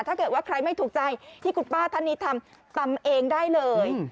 ถ้าเกิดว่าใครไม่ถูกใจที่คุณป้าท่านนี้ทำตำเองได้เลย